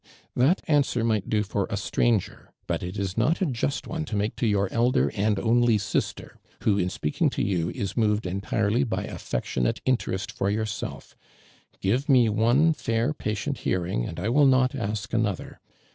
"That answer might do for a stranger, but it is not a just one to make to your elder and only sister, who, in speaking to you, is movcti entirely by aff'ectionate inter est for yourself, (iive me one fair, patient hearing, and 1 will not ask another.